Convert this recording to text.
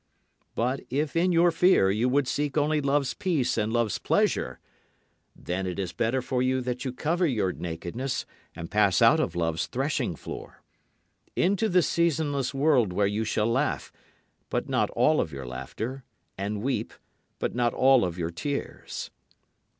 But if in your fear you would seek only love's peace and love's pleasure, Then it is better for you that you cover your nakedness and pass out of love's threshing floor, Into the seasonless world where you shall laugh, but not all of your laughter, and weep, but not all of your tears.